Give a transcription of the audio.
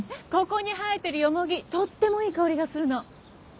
ここに生えてるヨモギとってもいい香りがするの。